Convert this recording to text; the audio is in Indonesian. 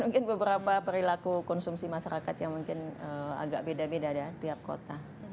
mungkin beberapa perilaku konsumsi masyarakat yang mungkin agak beda beda ya tiap kota